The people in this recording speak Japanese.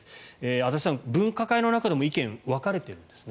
足立さん、分科会の中でも意見が分かれているんですね。